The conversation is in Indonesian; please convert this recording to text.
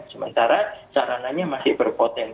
sementara saranannya masih berbatas